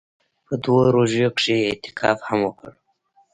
په دوو روژو کښې يې اعتکاف هم وکړ.